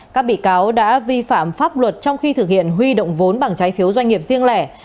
các bị cáo đã vi phạm pháp luật trong khi thực hiện huy động vốn bằng trái phiếu doanh nghiệp riêng lẻ